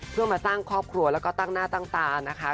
เพื่อมาสร้างครอบครัวแล้วก็ตั้งหน้าตั้งตานะคะ